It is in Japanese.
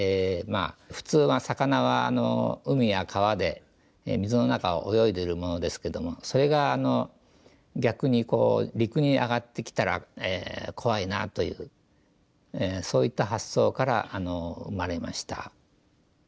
普通は魚は海や川で水の中を泳いでいるものですけどもそれが逆に陸に揚がってきたら怖いなというそういった発想から生まれました。